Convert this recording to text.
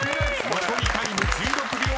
［残りタイム１６秒０１］